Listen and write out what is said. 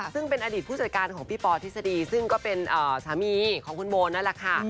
ซึ่งเป็นอดีตผู้จัดการของพี่ปอทฤษฎีซึ่งก็เป็นสามีของคุณโบนั่นแหละค่ะ